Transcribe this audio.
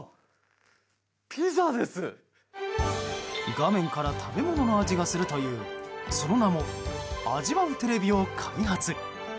画面から食べ物の味がするというその名も味わうテレビを開発。